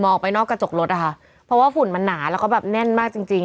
มองออกไปนอกกระจกรถนะคะเพราะว่าฝุ่นมันนาแล้วก็แน่นมากจริง